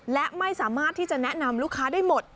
และไม่สามารถที่จะแนะนำลูกค้าได้หมด